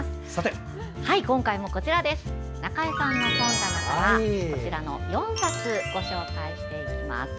今回も中江さんの本棚からこちらの４冊ご紹介していきます。